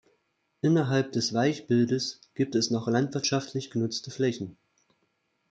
Innerhalb des Weichbildes gibt es noch landwirtschaftlich genutzte Flächen.